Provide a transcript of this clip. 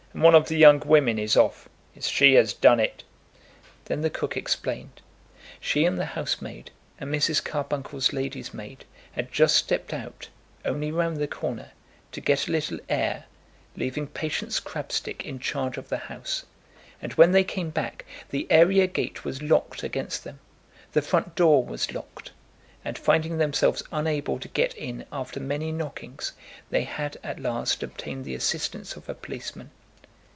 And one of the young women is off. It's she as done it." Then the cook explained. She and the housemaid, and Mrs. Carbuncle's lady's maid, had just stepped out, only round the corner, to get a little air, leaving Patience Crabstick in charge of the house; and when they came back, the area gate was locked against them, the front door was locked, and finding themselves unable to get in after many knockings, they had at last obtained the assistance of a policeman.